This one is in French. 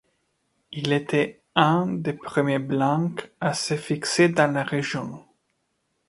Il était un des premiers blancs à se fixer dans la région.